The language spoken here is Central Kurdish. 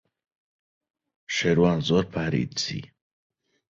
شێروان زۆر پارەی دزی.